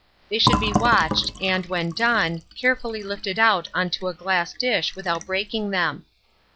They should be watched, and, when done, carefully lifted out on to a glass dish without breaking them.